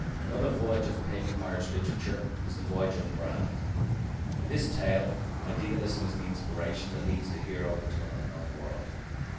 Another voyage of pagan Irish literature is the Voyage of Bran. In this tale idealism is the inspiration that leads the hero into the unknown world.